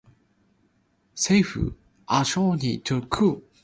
政府依家禁止冇貨沽空